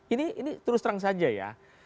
ini terus terang saja ya